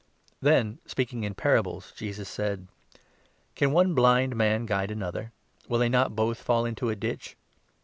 Then, speaking in parables, Jesus said : 39 '' Can one blind man guide another ? Will they not both fall into a ditch